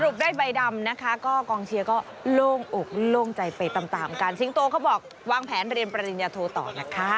ได้ใบดำนะคะก็กองเชียร์ก็โล่งอกโล่งใจไปตามตามกันสิงโตเขาบอกวางแผนเรียนปริญญาโทต่อนะคะ